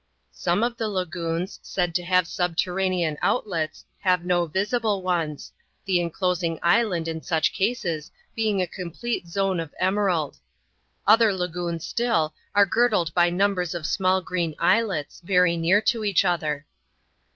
Some of the lagoons, said to have subterranean outlets, have no visible ones ; the inclosing island, in such cases, being a complete zone of emerald. Other lagoons still, are girdled by numbers of small green islets, very near to each other.